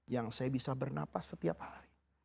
yang saya bisa bernapas setiap hari